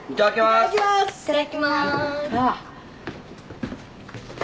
いただきまーす！